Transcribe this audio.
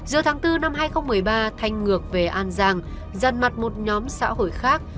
giữa tháng bốn năm hai nghìn một mươi ba thanh ngược về an giang dần mặt một nhóm xã hội khác